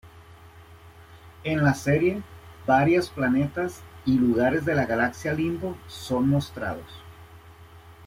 En la serie, varios planetas y lugares de la galaxia Limbo son mostrados.